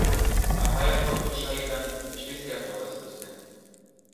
Tafallako lur sailetan pestizidak bota zituzten.